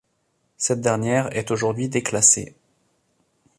Cette dernière est aujourd'hui déclassée.